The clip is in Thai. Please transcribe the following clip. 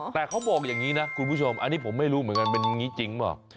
แต่เขาบอกอย่างนี้นะคุณผู้ชมอันนี้ผมไม่รู้เหมือนกันเป็นอย่างนี้จริงเปล่า